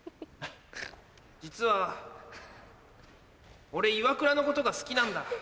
実は俺イワクラのことが好きなんだ。